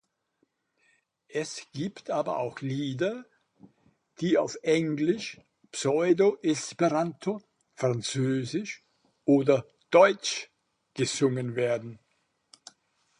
Es gibt aber auch Lieder, die auf Englisch, Pseudo-Esperanto, Französisch oder Deutsch gesungen werden.